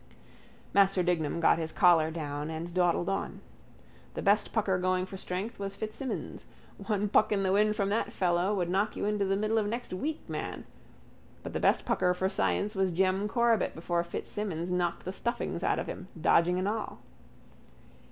Master Dignam got his collar down and dawdled on. The best pucker going for strength was Fitzsimons. One puck in the wind from that fellow would knock you into the middle of next week, man. But the best pucker for science was Jem Corbet before Fitzsimons knocked the stuffings out of him, dodging and all.